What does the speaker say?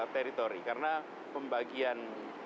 teritori karena pembagian